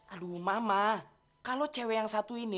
aduh mama kalau cewek yang satu ini